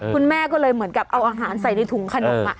คุณแม่ก็เลยเหมือนกับเอาอาหารใส่ในถุงขนม